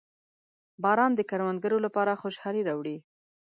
• باران د کروندګرو لپاره خوشحالي راوړي.